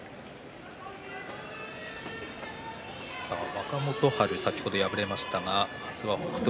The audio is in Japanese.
若元春、先ほど敗れましたが明日は北勝